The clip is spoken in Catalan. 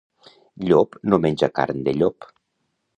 Llop no menja carn de llop.